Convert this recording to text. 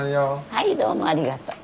はいどうもありがとう。